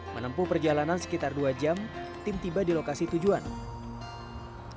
menempuh perjalanan sekitar dua jam tim tiba di lokasi tujuan lidah es jaya wijaya satu satunya lokasi bersalju yang dimiliki indonesia